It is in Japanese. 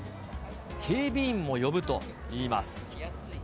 警備員も呼ぶといいます。